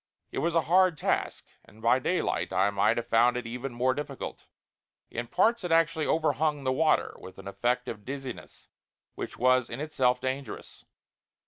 It was a hard task, and by daylight I might have found it even more difficult. In parts it actually overhung the water, with an effect of dizziness which was in itself dangerous.